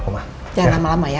jangan lama lama ya